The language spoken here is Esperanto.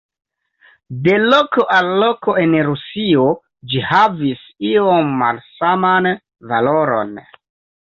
De loko al loko en Rusio ĝi havis iom malsaman valoron.